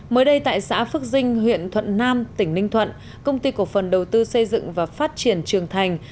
mới đây tại xã phước dinh huyện thuận nam tỉnh ninh thuận công ty cổ phần đầu tư xây dựng và phát triển trường thành